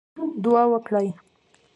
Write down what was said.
دعا وکړئ